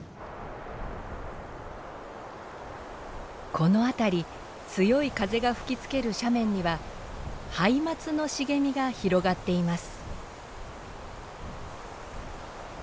この辺り強い風が吹きつける斜面にはハイマツの茂みが広がっています。